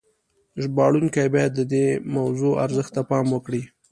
ژباړونکي باید د موضوع ارزښت ته پام وکړي.